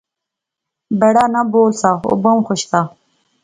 بڑا ناں بول سا او بہوں خوش سا